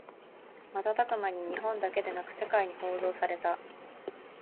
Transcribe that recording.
瞬く間に日本だけでなく世界に報道された